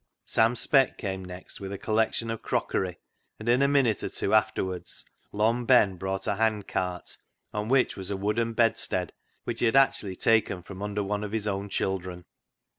Sam Speck came next with a collection of crockery, and in a minute or two afterwards Long Ben brought a hand cart on which was a wooden bedstead which he had actually taken from under one of his own children.